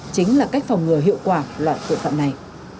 chính là cách phòng ngừa hiệu quả loại tội phạm này